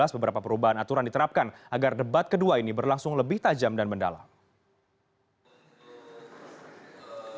beberapa perubahan aturan diterapkan agar debat kedua ini berlangsung lebih tajam dan mendalam